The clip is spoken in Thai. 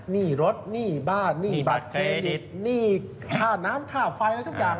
หนี้รถหนี้บ้านหนี้บัตรเครดิตหนี้ค่าน้ำค่าไฟอะไรทุกอย่าง